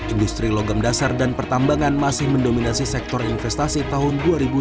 industri logam dasar dan pertambangan masih mendominasi sektor investasi tahun dua ribu dua puluh